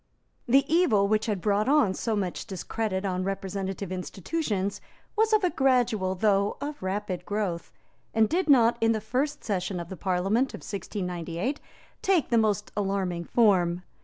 The evil which had brought on so much discredit on representative institutions was of gradual though of rapid growth, and did not, in the first session of the Parliament of 1698, take the most alarming form.